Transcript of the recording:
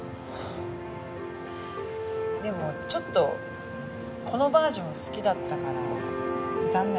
でもちょっとこのバージョン好きだったから残念。